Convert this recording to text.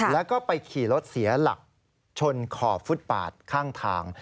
แล้วก็ไปขี่รถเสียหลักชนขอบฟุตปาดข้างทาง